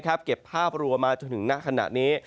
เก็บภาพรวมมาจนถึงณขณะนี้